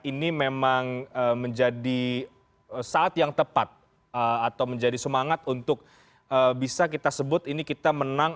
ini memang menjadi saat yang tepat atau menjadi semangat untuk bisa kita sebut ini kita menang